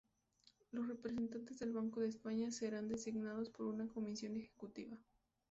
Los representantes del Banco de España serán designados por su Comisión ejecutiva.